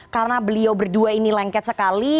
karena beliau berdua ini lengket sekali